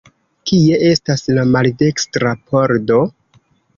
Kie estas la maldekstra pordo?